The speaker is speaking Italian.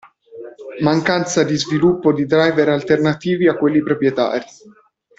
Mancanza di sviluppo di driver alternativi a quelli proprietari.